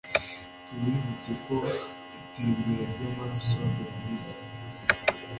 tubibutse ko itembera ry'amaraso riboneye